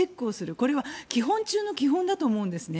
これは基本中の基本だと思うんですよね。